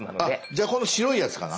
じゃあこの白いやつかな？